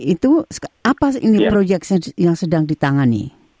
itu apa ini proyek yang sedang ditangani